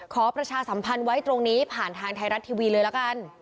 ประชาสัมพันธ์ไว้ตรงนี้ผ่านทางไทยรัฐทีวีเลยละกัน